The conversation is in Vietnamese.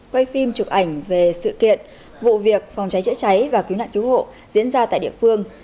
quay phim chụp ảnh về sự kiện vụ việc phòng cháy chữa cháy và cứu nạn cứu hộ diễn ra tại địa phương